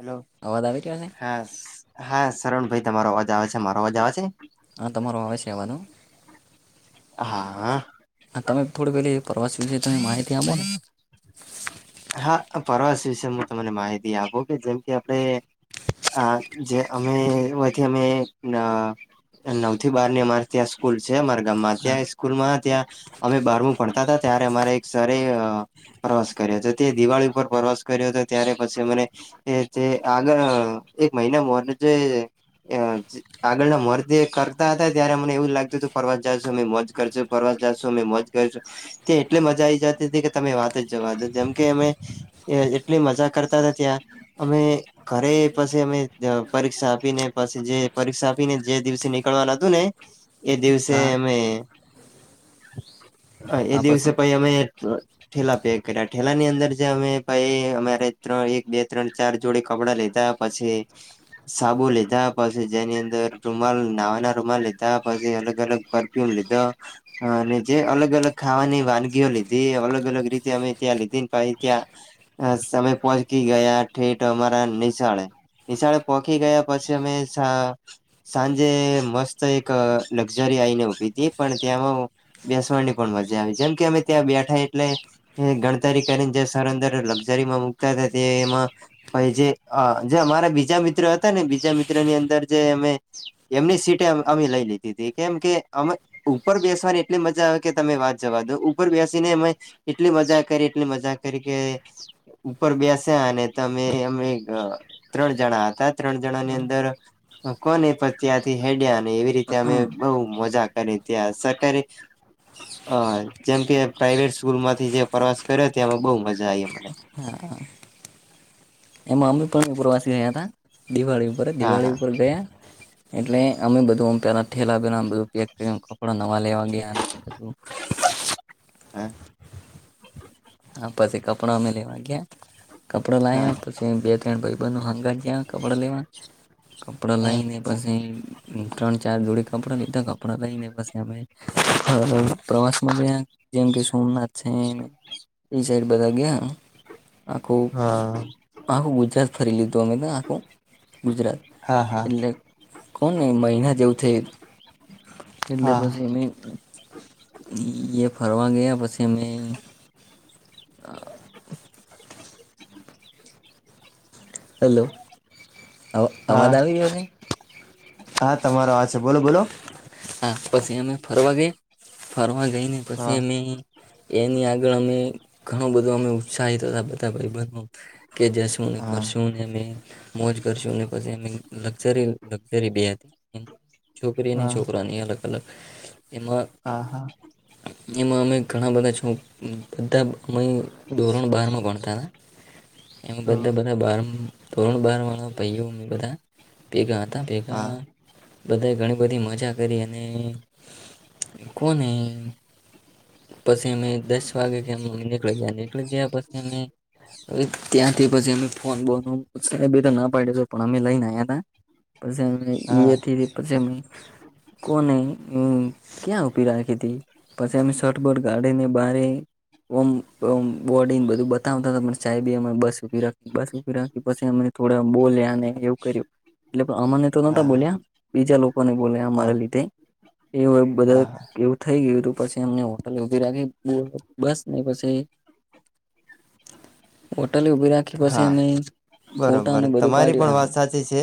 Hello અવાજ આવી રહ્યો છે હા સ હા સરોણ ભાઈ તમારો અવાજ આવે છે મારો અવાજ આવે છે. હા તમારો આવે છે અવાજ હા. હા તમે થોડી પેલી પ્રવાસ વિશે તમે માહિતી આપો ને હા પરવાસ વિશે હું તમને માહિતી આપું કે જેમ કે આપણે આ જે અમે એમાથી અમે ન નવ થી બાર ની અમારે ત્યાં સ્કૂલ છે અમારા ગામમાં ત્યાં સ્કૂલ માં ત્યાં અમે બારમું ભણતાતા ત્યારે અમારે એક સરે પ્રવાસ કર્યા છે. તે દિવાળી ઉપર પ્રવાસ કર્યો હતો ત્યારે પછી મને એ તે આગળ એક મહિના મોર જઈયે. અ આગળના મર્તે કરતા હતા ત્યારે મને એવું જ લાગતું હતુ ફરવા જ જા છો અ મોજ કરજો ફરવા પચાસ સો મે મોજ કર. કે અમે એટલી મજા કરતા હતા ત્યાં અમે પરીક્ષા આપી ને પછી જે પરીક્ષા આપીને જે દિવસે નીકળવાનું હતું ને એ દિવસે હા અમે હ એ હા દિવસે પછી પહી અમે ઠેલા પે કર્યા. ઠેલા ની અંદર જે અમે પાઈ અમારે ત્ર એક બે ત્રણ ચાર જોડે કપડાં લીધા પછી સાબુ લીધા પછી જેની અંદર રૂમાલ નાવાના રૂમાલ લેધા પછી અલગ અલગ પરફ્યુમ લીધો અને જે અલગ અલગ ખાવાની વાનગીઓ લીધી અલગ અલગ રીતે અમે ત્યાં નીતિન ભાઈ ત્યાં સમય પહોંચકી ગયા ઠેઠ અમારા નિશાળે નિશાળે પોખી ગયા પછી અમે સાં સાંજે મસ્ત એક લક્ઝરી આવીને ઉભી પણ ત્યાંમાં બેસવાની પણ મજા આવી છે જેમ કે અમે ત્યાં બેઠા એટલે એ ગણતરી કરીને જે સર અંદર લકઝરીમાં મુકતા હતા તે એમાં પહી જે જે રા બીજા મિત્ર હતા ને બીજા મિત્ર ની અંદર જે અમે એમની સીટે અમે લઈ લીધી હતી કે કે ઉપર બેસવાની એટલી મજા આવે કે તમે વાત જવા દો ઉપર બેસીને અમે એટલી મજા કરી એટલી મજા કરી કે ઉપર બેસ્યાને તોમે અમે ત્રણ જણા હતા ત્રણ જણા ની અંદર કોને પણ ત્યાંથી હેડ્યા ને એવી રીતે અમે બહુ મજા કરી ત્યાં સરકરે હ જેમ કે પ્રાઈવેટ સ્કૂલમાં થી જે પ્રવાસ કર્યો ત્યામાં બહ મજા આવી મને એમાં અમે પણ પ્રવાસી ગયા હતા દિવાળી ઉપર હા દિવાળી હા ઉપર ગયા. એટલે અમે બધું પેલા ઠેલા પેલા બધું પેક કર કપડા વાલેવાગ અને બધું હે. હા પછી કપડા અમે લેવા ગયા. કપડા હા લાવ પછી બે ત્રણ ભાઈબનો હંગ જ કપડા લેવા કપડો હા લઈ ને પછી ત્રણ ચાર જોડી કપડો લીધો કપડો લઈને પ્રવાસમાં જેમ કે સોમનાથ છે એ સાઈડ બધા ગયા આખું હા આખું ગુજરાત ફરી લીધું. તો અમે તો આખું ગુજરાત હા એટલે કોણ ને મહિના જેવું હા હા [unintelligible] ફરવા ગયા પછી અમે [inaudible] હેલો અવાજ હા આવી રહ્યો છેને હા તમારો આ છે બોલો બોલો હા પછી અમે ફરવા ગયા ફરવા ગઈને પછી હા અમે એની આ અમે ઘણું બધું અમે ઉત્સાહિત હતા બધા ભ કે જશું ને હા કરશુંને અ મોજ કરશુંને પ લક્ઝરી લક્ઝરી બે હતી છોકરીની હા એયા અલગ અલગ હા હા. એમાં અમે ઘણા બધા છ બધા અમે ધોરણ બારમાં ભણતા હતા. એમ બધા હમ બધા બાર ધોરણ બાર વાળા ભઇ ઓ બધા ભેગા હતા ભેગા હા બધા ઘણી બધી મજા કરી અને કોને પસે મે દસ વાગે કે નીકળી ગયા નીકળી ગયા પછી અમે હ ત્યાંથી પછી અમે ફોન બોન તો સાબે ના પાડીટિ પણ અમે લઈને આયાતા હા હા પછી પછી કોને ક્યાં ઉપી રાખી હતી પછી અમે શટબોર્ટ ગાઢીને બ ઓમ બોડ બધું બતાવતા હતા ચાય બી અમે બસ ભી રાખી બસ ભી રાખી પછી અ થોડા બોલ્યા અને એવું કર્યું એટલે અમાને તો નતા હા બોલ્યા બીજા લોકો ને બોલ રા હા લીધે એ બધા હા એવું થાય ગયું પછી અમને હોટલ ઉભી રાખી બસ ને પછી વઠ. ટલી ઉભી રાખી પછી હા અમે ફોટા બરોબર બધું તમારી પણ પાડ્યું. વાત સાચી છે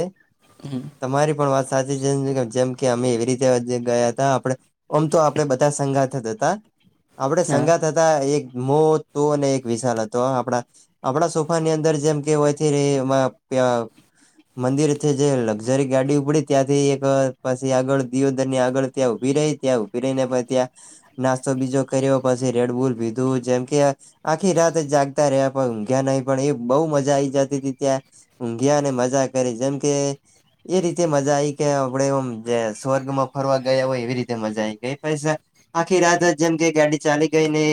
તમારી પણ વાત સાચી છે જેમ કે અમેવી રીતે ગયા હતા આપે ઓમ તો આપે બધા સંગા થતા હતા. આપડે હા સંગાત હતા એક મો હતો ને એક વિશાલ હતો આપણા આપણા સૌ વાની અંદર જેમ કે હોયથી ર મંદિર છે જે લક્ઝરી ગાડી ઉપડી ત્યાંથી એક પાછી આગળ દિયોદર ની આગળ ત્યાં ઉભી ત્યાં ઉભી રઈ ને પછી ત્યા નાસ્તો બીજો કર્યો પછી રેડબુલ ભીધું જેમ કે આખી રાત જાગતા રહ્યા પણઘ્યા ન એ બહ મજા આવી જતી હતી ત્યાં ઊંઘ્યાને મજા કરી જેમ કે એ રીતે મજા મજા આઈ કે આપડ એમ જે સ્વર્ગમાં ફરવા ગયા હોય એવી રીતે મજા આવી ગઈ પછ આખી રાત જેમ કે ગાડી ચાલી ગઈને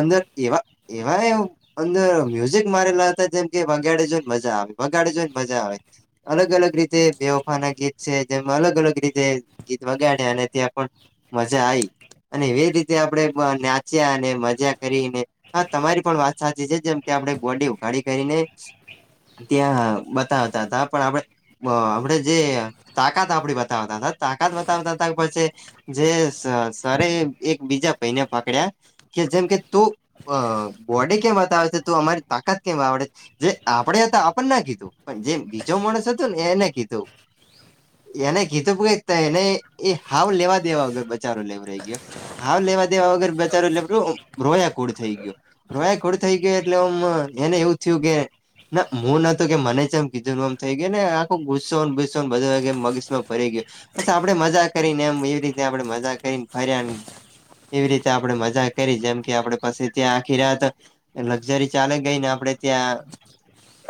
અંદર એવા એવા એ અંદર મ્યુઝિક મારેલા હતા જેમ કે વગાડે જોઈને મજા આવે વગાડે જોઈને મજા આવે અલગ અલગ રીતે બેવફાના ગીત છે જેમાં અલગ અલગ રીતે ગીત વગાડ્યા અને ત્યાં પણ મજા આવી. અને એવી રીતે આપણે નાચ્યા અને મજા કરીને હ તમારી પણ વાત સાચી છે જેમ કે આપડે બોડી ઉખાડી કરીને ત્યાં બતાવતા હતા પણ આપણે આપણેે જે તાકાત આપડી બતાવતા હતા તાકાત બતાવતા હતા પછી જે સર એક બીજા પૈને પકડ્યા કે જેમ કે ત બોડી કેમ આવે તો અમારે તાકાત કેમ આપડે જે આપણેે હતા આપણ ના કીધું પણ જે બીજો માણસ હતો ને એને કીધું. એને ગીતો ક એને એ હાવ લેવા દેવાગર બચારો લેવ રહી ગયો હાવ લેવા દેવા વગર બચારો લે રોયા કુડ થઈ ગયો રોયા કૂડ થઈ ગયો એટલે ઉમમ અ એને એવું થયું કે ના હું નતતો કે મને છે એમ કીજું ન એમ થઈ ગય ને આખો ગુસ્સો ને ગુસ્સો બધ મગીશ માં પરી ગય બસ આપડે મજા કરીને એમ એવી રીતે આપડે મજા કરીને ફર્યા. એવી રીતે આપડણે મજા કરી જેમ કે આપડે પછી ત્યાં આખી રાત લક્ઝરી ચાલે ગઈને આપડે ત્યાં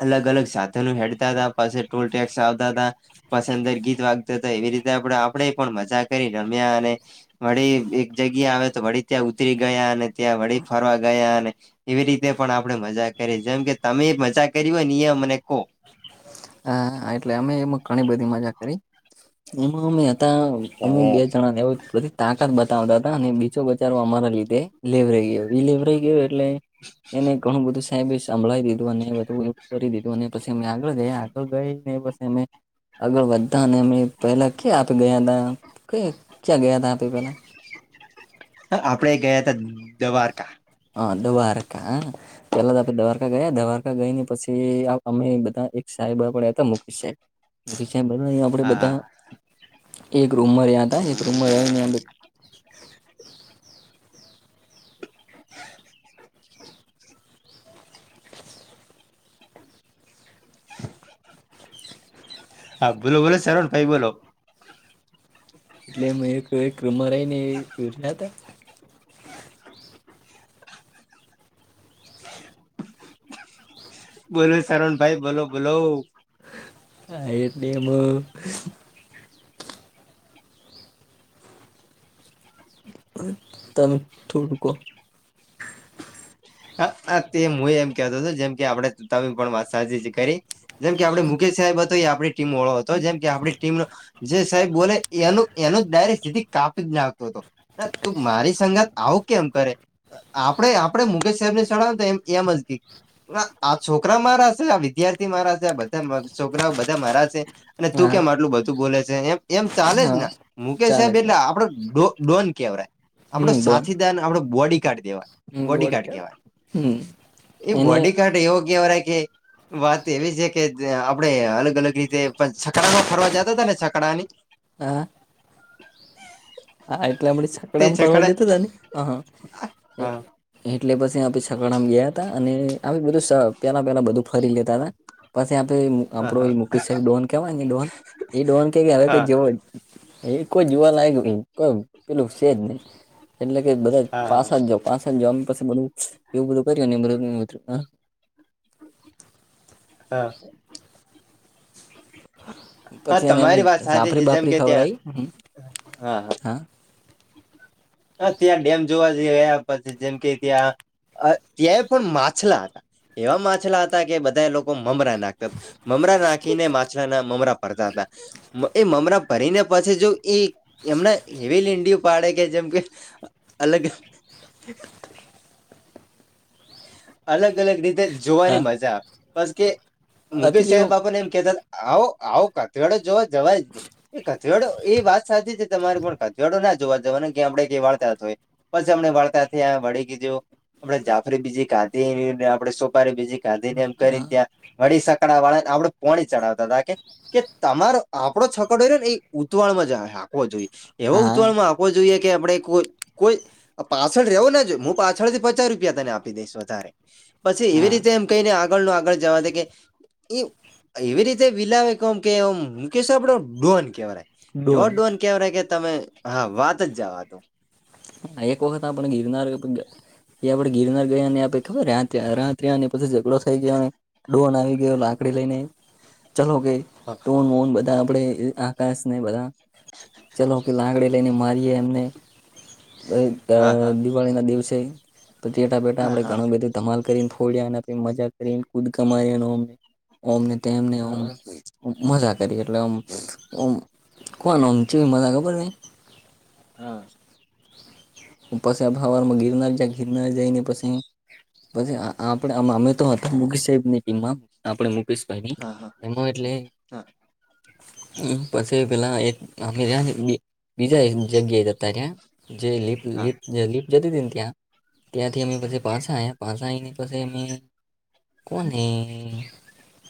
અલગ-અલગ સાધનો હેડતા હતા પછ ટોલ ટેક્સ આવતા હતા પસંદર ગીત વાગતા હતા. એવી રીતે આપ આપણે પણ મજા કરી રમ્યા અને વળી એક જગ્યા આવે તો વળી ત્યાં ઉતરી. ગયા અને ત્યાં વળી ફરવા ગયા અને એવી રીતે પણ આપડે મજા [unintelligible] જેમ કે તમે મજા કરી હોય ને એ મને કોહ. હા એટલે અમે એમાં ઘણી બધી મજા કરી એમાં અમે અમે બે જણા ને એ બધી તાકાત બતાવતા હતા અને બચારવા અમારા લીધે લેવરાઈ ગયો લેવરાઈ ગયો એટલે એને ઘણું બધું સાહેબ સંભળી દીધું અને બધું કરી દીધું અને પછી અમે આગળ ગયા આગળ જઈ ને પછી અમે આગળ વધા ને અમે પેલા ક્યાં આપી ગયા તા ક ક્યાં ગયા ત આપે પેલા. [inaudible] હ આપડે ગયા હતા દ્વારકા. દ્વારકા પેલા તો આપે દ્વારકા ગયા દ્વારકા ગઈ ને પછી અમે બધા એક. સાહેબ પણ હતા મુકેશબ મુકેશહેબ બ અહી આપડે હા હા બધા. એક રૂમમાં રહ્યા તા એક રૂમમાં રહીને બે. [inaudible] હા બોલો બોલો સરોણ ભાઈ બોલો. એટલે મેં કઈક રમ રઈનેર્યા હતા. [inaudible] બોલો શરણ ભાઈ બોલો બોલો. [unintelligible] તમે થોડુંકો તે હું એમ કેતો હતો જેમ કે આપડે ત પણ વાત સાજી કરી. જેમ કે આપે મુકેશ સાહેબ હતો એ આપણી ટીમ વાળો હતો જેમ કે આપણી ટીમનો જે સાબ બોલે એ એનું ડાયરેકથિ કાપી જ નાખવો તો તું મારી સંગાત આવું કેમ કરે આપણે આપણે [unintelligible] આ છોકરા મારા છે આ વિદ્યાર્થી મારા છે બધા છોકરાઓ બધા મારા છે અને તું હા કેમ આટલું બધું બોલે છે એમ એમ ચાલે જ હા ને મુકેશ ચાલે સાહેબ એટલે આપડો ડોન કેવાય આપડો હમ ડોન સાથીદાર આપડો બોડી કાર્ડ કેવાય હમ બોડી કાર્ડ ગાર્ડ હમ એ એને બોડી કાર્ડ એવો કેવાય વાત એવી છે કે આપડણે અલગ અલગ રીતે છકડામાં ફરવા જતા ત ને છકડાની હા [inaudible] હા એટલે આપડે તે છકડામાં ફરવા છકડા જતા તાને હા એટલે પછી છકડા માં ગયા હતા અને આ બધું પેલા પેલા બધું ફરી લેતા હતા પછી આપે હા આપડો મુકેશ સાહેબ ડોન કેવાય ને ડોહન એ ડોન કે કે હવે કઈ હા જેવો. એ કોઈ જોવા લાયક કોઈ પેલું છે જ નહી એટલે કે બધા હા પાસા જ જા પાસા જ જા [unintelligible] [inaudible] હા પછી એને અમે તમારી વાત સાચી જાફરી છે જેમ બાફરી કે ત્યાં ખવરાવી હ હા હ ત્યાં ડેમ જોવા જયા પછી જેમ કે ત્યાં અ ત્યાંય પણ માછલા હતા એવા માછલા હતા કે બધા લોકો મમરા નાખતા મમરા નાખીને માછલા ના મમરા ફરતા હતા એ મમરા ભરીને પછી જો એ એમના હવી લન્ડીય પાડે કે જેમ કે. અલગ અલગ અલગ રીતે જોવાની હા મજા આવે બસ કે અ મુકેશ પેલી સાહેબ ઓમ- આપને એમ કેતા આવ આવો કથરળો જોવા જવા જ નહી એ ળો એ વાત સાચી છે તમારે પણિયાળો ના જોવા જવાનુંને કે આપડે કઈ વાળતા હોય પછી આપણે વાળતા વળી ગીધું આપ જાફરી બીજી કાંધી આપે સોપારી બીજી ગાંધી ને એમ કરીને હા ત્યાં વળી સકડા વાળાને આપડું પોણી ચડાવતા હતા કે તમારો આપડો છકડો રીયોને ને ઈ ઉતવાળ માં હાકવો જોઈએ એવા હા ઉતવાળ માં હાકવો જોઈએ આપ કોઈ કોઈ પાછળ રહેવું ન જોઈ હું પાછળ થી પચાસ રૂપિયા એમને આપુ આપી દઈશ વધારે પછી એવી હા રીતે એમ કહીને આગળ ન આગળ જવા દે કે એ એવી રીતે વિલાવે કમ કે મુકેશ આપડો ડોન કેહેવાય એવો ડોન કેવા ર કે તમે હા વાત જ જવાદો અયકોક વખત આપણે ગીરનાર એ આપડે ગિરનાર ગયા ને આપે ખબર રાત રહયા ને પછી ઝઘડો થઈ ગયો અને ડોન આવી ગયો લાકડી લને ચલો કે હા તોન મોન બધા આપે આકાશને બધા ચલો કે લાંગડે લઈને મારીએ એમને હા હા દિવાળી ના દિવસે તો ચેટા પેટા હા આપડે હા ઘણું બધું ધમાલ કરીને ખોડિયાને આપી મજા કરી કુદકા મારીને ઓમને તેમ ને હા મજા કરી એટલે ઓમ કોન ઓમ જેવી મજા ખબર કઈ હા પછી ફવારમાં ગિરનાર જ ગિરનાર જઈને પછી પછી આપડે આમે મુકેશ સાહેબની ટીમમાં આપણે મુકેશભાઈની હા એમાં એટલે હા [unintelligible] બીજા એક જગ્યાએ જતા રહ્યા જે લિપ હા જતી હતીને ત્યાં ત્યાંથી અમે પછા આવયા પાસા આવીઈને પછી અમે કોને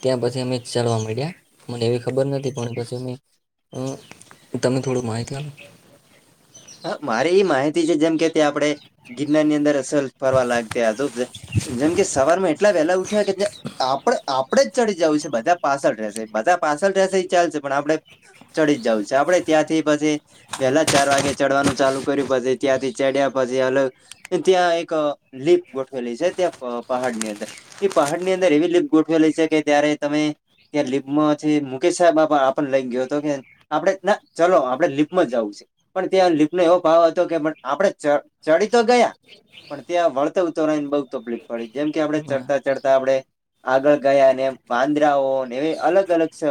ત્યાં પછી અમે ચાલવા મળ્યા મને એવી ખબર નથી પણ પછી એ તમે થોડું માહિતી આપો હ મારે એ માહિતી છે જેમ કે તે આપડે ગિરનાર ની અંદર જ ફરવા લાગતે જેમ કે સવાર માં એટલા વેલા ઉઠ્યા કે આપડે આપડે જ ચડી જવું છે બધા પાછળ રહેશે બધા પાછળ રહેશે એ ચાલશે પણ આપડે ચડી જવું છે આપે ત્યાંથી પછી વહેહલા ચાર વાગે ચડવાનું ચાલુ કર્યું પછી ત્યાંથી ચડ્યા પછી અલગ ત્યાં એક લીપ ગોઠવેલી છે ત્યાં પહાડ ની અંદર એ પહાડની અંદર એવી લિફ્ટ ની અંદર ગોઠવેલી છે કે ત્યારે તમે ત્યાં લીપમાં છે મુકેશ સાહેબ બાબા આપને લઈ ગયો હતો કે આપડે ના ચલો આપડે લીપમાં જવું છે પણ ત્યાં લિપનો એવો ભાવ હતો કે આપડે ચડી તો ગયા પણ ત્યાં વળતા ઉતવવા ની બહુ તકલીફ પડી જેમ કે આપડણે આપો ચડતા ચડતા આપડે આગળ ગયા ને વાંદરાઓ ને એવી અલગ અલગ છે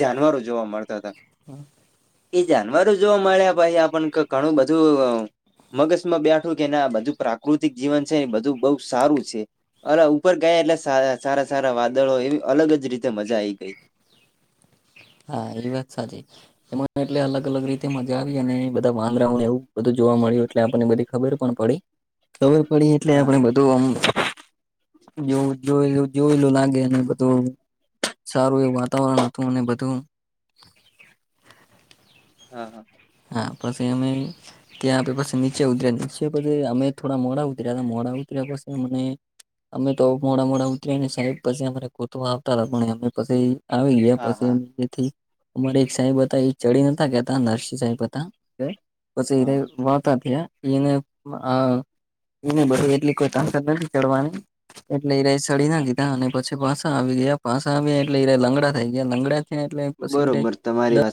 જાનવરો જોવા મળતા હતા એ જાનવરો જોવા મળ્યા ભાઈ આપણ ઘણું બધું મગજ માં બેઠું કે ના બધું પ્રાકૃતિક જીવન છે ને બધું બહુ સારું છે અલા ઉપર ગયા એટલે સારા સારા વાદળો એવી અલગ જ રીતે મજા આઈ તી [inaudible] હા એ વાત સાચી એમાં એટલે અલગ અલગ રીતે મજા આવી અને બધા વાંદરાઓને એવું બધ જો જોવા મળયુ એટલે આપણને બધી ખબર પણ પડી ખબર પડી એટલે હા આપણે બધુંમ જોવું જોયેલું જોયેલું લાગે ને બધું સારું એવું વાતાવરણ હતું અને બધું હા હા હા પછી અમે ત્યાં આપડે પછી નીચે ઉતર્યા નીચે પછી અમે થોડા મોડા ઉતર્યા મોડા ઉતર્યા પછી અને અમે તો મોડા મોડા ઉતરી ને સાહેબ પછી અમારે ગોતવા આવતા હતા પણ અમે પછી આવી ગયા હા પછી હા અ જેથી અમારે એક સાહેબ હતા એ ચડી નાતા ગયા નરસિંહ સાહેબ બતા વછ વાતાયા એને એને બધી એટલી કોઈ તાકાત નથી ચડવાની એટલે ઈરે હા સડી ના હા લીધા અને પછી પાસા આવી ગયા પાસા આવી એટલે ઈરે લંગડા થઈ ગયા લંગડા એટલે પછી. બરોબર તમારી વાત